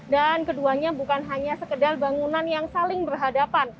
dan keduanya bukan hanya sekedar bangunan yang saling berhadapan